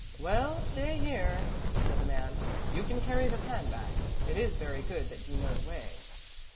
"Well, stay here," said the man; "you can carry the pan back; it is very good that you know the way."